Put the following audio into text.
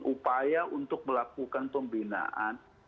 upaya untuk melakukan pembinaan